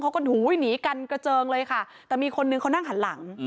กันหนีกันกระเจิงเลยค่ะแต่มีคนนึงเขานั่งหันหลัง